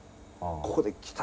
ここで「来た！」